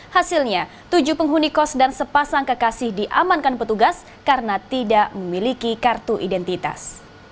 hasilnya tujuh penghuni kos dan sepasang kekasih diamankan petugas karena tidak memiliki kartu identitas